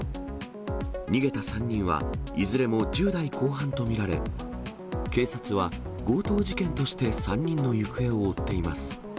逃げた３人は、いずれも１０代後半と見られ、警察は強盗事件として３人の行方を追っています。